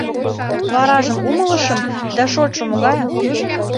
Варажым умылышым да шотшо могае?..